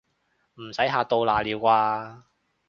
唔使嚇到瀨尿啩